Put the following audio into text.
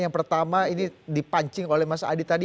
yang pertama ini dipancing oleh mas adi tadi